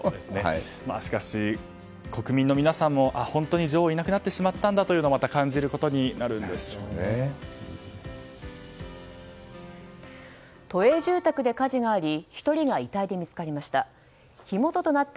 しかし、国民の皆さんも本当に女王がいなくなってしまったんだということをまた感じることに都営住宅で火事があり１人が遺体で見つかりました。